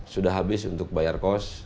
sudah habis untuk bayar kos